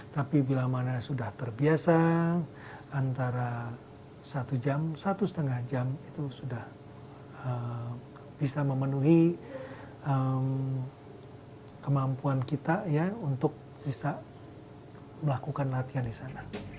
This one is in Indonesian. tapi bila mana sudah terbiasa antara satu jam satu setengah jam itu sudah bisa memenuhi kemampuan kita untuk bisa melakukan latihan di sana